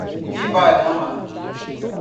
Ibarama